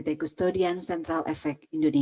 adalahlich orang yang pengen